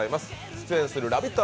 出演するラヴィット！